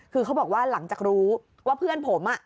คือเขาบอกว่าหลังจากรู้ว่าเพื่อนผม